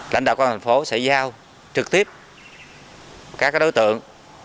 lãnh đạo quân thành phố sẽ giao trực tiếp các đối tượng